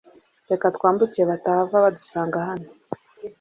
Reka twambuke batahava badusanga hano .